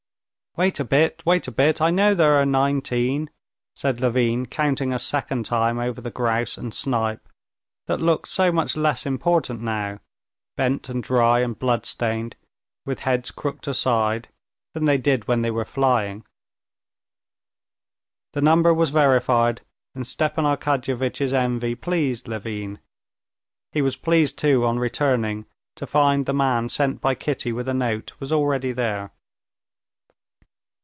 "Wait a bit, wait a bit, I know there are nineteen," said Levin, counting a second time over the grouse and snipe, that looked so much less important now, bent and dry and bloodstained, with heads crooked aside, than they did when they were flying. The number was verified, and Stepan Arkadyevitch's envy pleased Levin. He was pleased too on returning to find the man sent by Kitty with a note was already there.